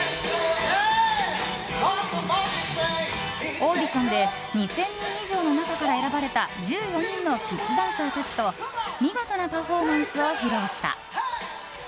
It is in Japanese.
オーディションで２０００人以上の中から選ばれた１４人のキッズダンサーたちと見事なパフォーマンスを披露した。